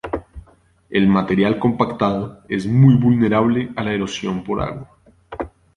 El material compactado es muy vulnerable a la erosión por agua.